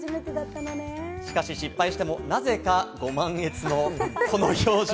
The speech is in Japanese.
しかし失敗しても、なぜかご満悦のこの表情。